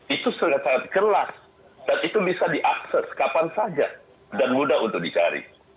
itu sudah sangat keras dan itu bisa diakses kapan saja dan mudah untuk dicari